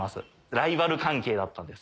ライバル関係だったんです。